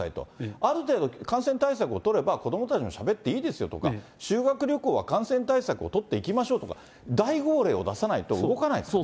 ある程度感染対策を取れば、子どもたちもしゃべっていいですよとか、修学旅行は感染対策を取って行きましょうとか、大号令を出さないと、動かないですよね。